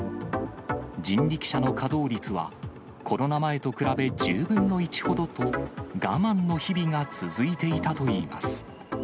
人力車の稼働率は、コロナ前と比べ１０分の１ほどと、我慢の日々が続いていたといいます。